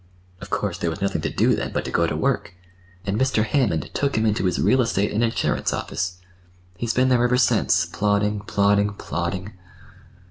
Of course, there was nothing to do then but to go to work, and Mr. Hammond took him into his real estate and insurance office. He's been there ever since, plodding, plodding, plodding."